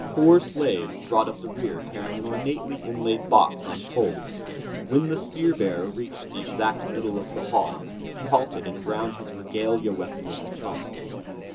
Four slaves brought up the rear carrying an ornately inlaid box on poles. When the spear bearer reached the exact middle of the hall, he halted and grounded his regalia weapon with a thump.